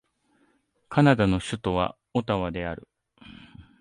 カナダの首都はオタワである